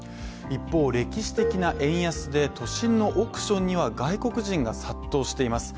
一方、歴史的な円安で都心の億ションには外国人が殺到しています。